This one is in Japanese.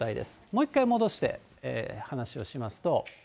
もう一回戻して、話をしますと。